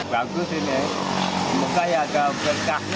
bagus ini semoga ya agak berkahnya itu ya